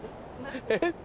「えっ？」